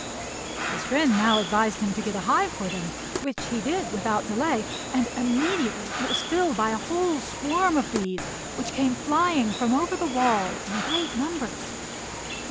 His friend now advised him to get a hive for them, which he did without delay; and immediately it was filled by a whole swarm of bees, which came flying from over the wall in great numbers.